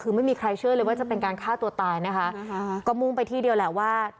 คือไม่มีใครเชื่อเลยว่าจะเป็นการฆ่าตัวตายนะคะก็มุ่งไปที่เดียวแหละว่า